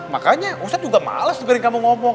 makanya ustaz juga males dengerin kamu ngomong